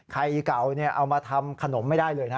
ไข่เก่าเอามาทำขนมไม่ได้เลยนะ